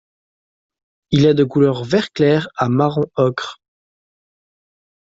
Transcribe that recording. Il est de couleur vert clair à marron ocre.